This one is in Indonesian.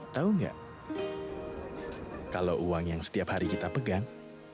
tahu nggak kalau uang yang setiap hari kita pegang